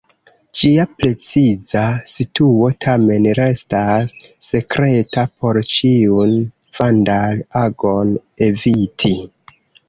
Ĝia preciza situo tamen restas sekreta por ĉiun vandal-agon eviti.